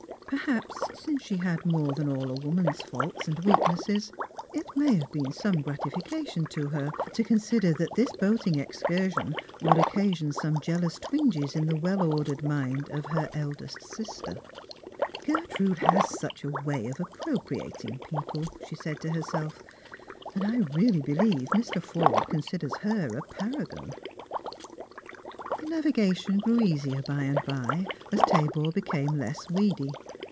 Eerhaps, since she had more than all a woman's faults and weaknesses, it may have been some gratification to her to con sider that this boating excursion would occasion some jealous twinges in the wrll crdered mind of her eldest sister. 4U Strangers and Pilgrims. Gertrude has such a way of appropriating people," she saii to herself, "and I really believe Mr. Forde considers her a paragon." The navigation grew easier by and by, as Tabor became less weedy.